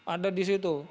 ada di situ